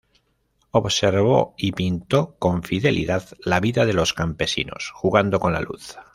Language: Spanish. Observó y pintó con fidelidad la vida de los campesinos, jugando con la luz.